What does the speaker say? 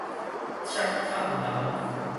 赤崁樓